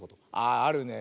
ああるね。